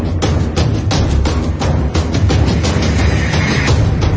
แล้วก็พอเล่ากับเขาก็คอยจับอย่างนี้ครับ